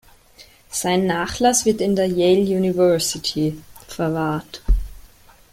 Sein Nachlass wird in der Yale University verwahrt.